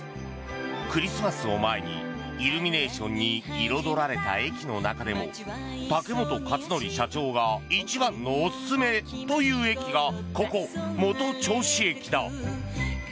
クリスマスを前にイルミネーションに彩られた駅の中でも竹本勝紀社長が一番のおすすめという駅がここ、本銚子駅だ。